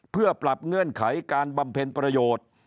เพื่อปรับเงื่อนไขการบำเพ็ญประโยชน์